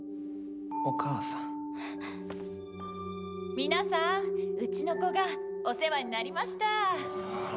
皆さんうちの子がお世話になりました。